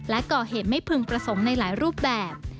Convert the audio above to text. และก่อเหตุไม่พึงประสงค์ในหลายรูปแบบ